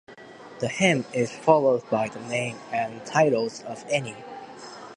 The hymn is followed by the name and titles of Any.